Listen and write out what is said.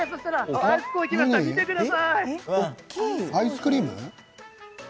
アイスクリーム？